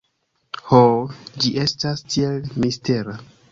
Ho, ĝi estas tiel mistera